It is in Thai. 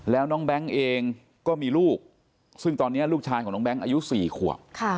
แล้วน้องแบงค์เองก็มีลูกซึ่งตอนนี้ลูกชายของน้องแบงค์อายุ๔ขวบ